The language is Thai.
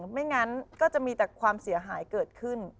ไม่งั้นก็จะมีแต่ความเสียหายเกิดขึ้น